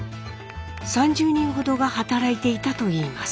３０人ほどが働いていたといいます。